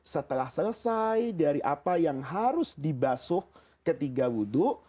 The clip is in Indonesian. setelah selesai dari apa yang harus dibasuh ketiga wudhu